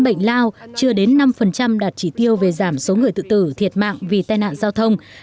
bệnh lao chưa đến năm đạt chỉ tiêu về giảm số người tự tử thiệt mạng vì tai nạn giao thông